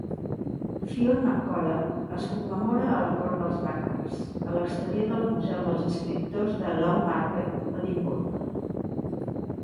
Fionn Mac Colla es commemora a la Cort dels Makars, a l'exterior del museu dels escriptors de Lawnmarket, Edinburgh.